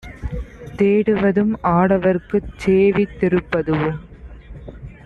தேடுவதும், ஆடவர்க்குச் சேவித் திருப்பதுவும்